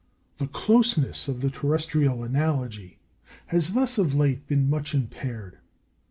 The closeness of the terrestrial analogy has thus of late been much impaired.